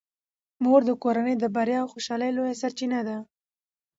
مور د کورنۍ د بریا او خوشحالۍ لویه سرچینه ده.